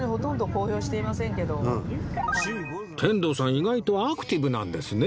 意外とアクティブなんですね